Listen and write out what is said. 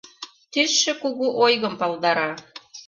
Тӱсшӧ кугу ойгым палдара.